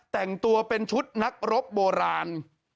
แต่งตัวเป็นชุดนักรบโบราณ